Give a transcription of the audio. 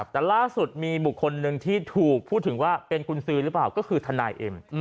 แต่ล่าสุดมีบุคคลหนึ่งที่ถูกพูดถึงว่าเป็นกุญสือหรือเปล่าก็คือทนายเอ็ม